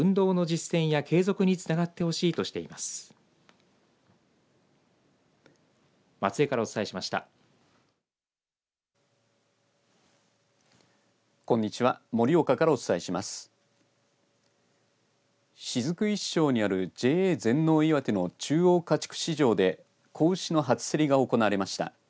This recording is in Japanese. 雫石町にあるＪＡ全農いわての中央家畜市場で子牛の初競りが行われました。